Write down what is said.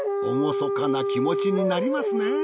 厳かな気持ちになりますね。